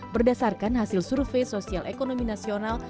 berdasarkan hasil survei sosial ekonomi nasional